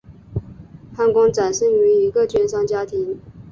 潘公展生于一个绢商家庭。